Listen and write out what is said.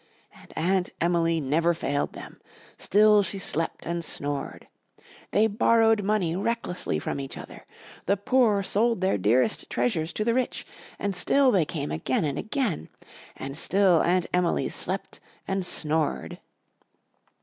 And Aunt Emily never failed them. Still she slept and snored. They borrowed money recklessly from each other. The poor sold their dearest treasures to the rich, and still they came again and again. And still Aunt Emily slept and snored.